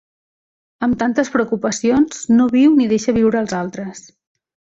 Amb tantes preocupacions, no viu ni deixa viure els altres.